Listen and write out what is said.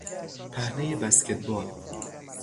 پهنهی بسکتبال